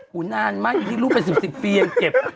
หนันไหมรูปเป็น๑๐ปีเดียวเจ็บ